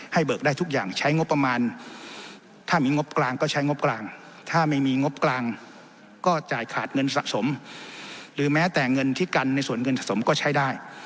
เบิกได้ทุกอย่างใช้งบประมาณถ้ามีงบกลางก็ใช้งบกลางถ้าไม่มีงบกลางก็จ่ายขาดเงินสะสมหรือแม้แต่เงินที่กันในส่วนเงินสะสมก็ใช้ได้